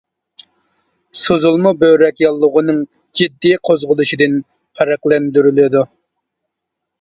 سوزۇلما بۆرەك ياللۇغىنىڭ جىددىي قوزغىلىشىدىن پەرقلەندۈرۈلىدۇ.